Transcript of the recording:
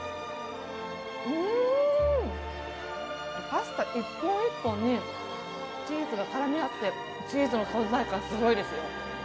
パスタ一本一本にチーズが絡み合ってチーズの存在感すごいですよ。